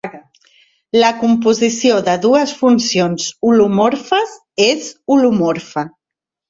La composició de dues funcions holomorfes és holomorfa.